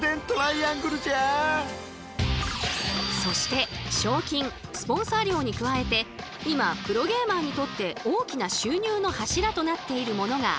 そして賞金スポンサー料に加えて今プロゲーマーにとって大きな収入の柱となっているものがあるというのですが。